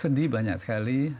sendi banyak sekali